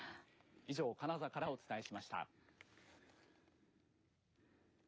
以上、金沢からお伝えしました。